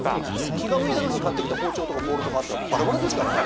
気が向いた時に買ってきた包丁とかボウルとかあるからバラバラですからね。